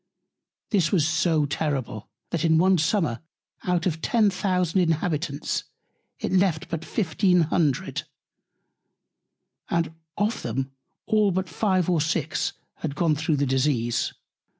This was so terrible, that in one Summer out of ten thousand Inhabitants, it left but fifteen hundred, and of them all but five or six had gone through the Disease.